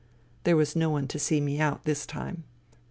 There was no one to see me out this time.